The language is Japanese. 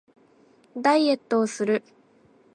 ダイエットをする